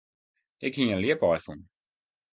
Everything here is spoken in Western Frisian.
Ik hie in ljipaai fûn.